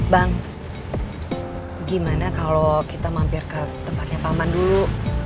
bang gimana kalau kita mampir ke tempatnya paman dulu